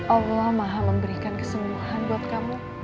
allah maha memberikan kesembuhan buat kamu